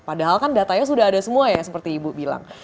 padahal kan datanya sudah ada semua ya seperti ibu bilang